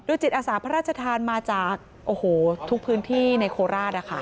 ด้วยจิตอาสาพพระราชทานมาจากโอ้โหทุกพื้นที่ในโคราชอ่ะค่ะ